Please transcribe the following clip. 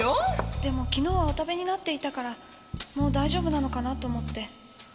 でも昨日はお食べになっていたからもう大丈夫なのかなと思って。